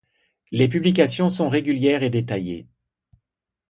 Les publications sont régulières et détaillées.